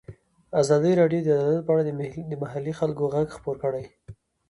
ازادي راډیو د عدالت په اړه د محلي خلکو غږ خپور کړی.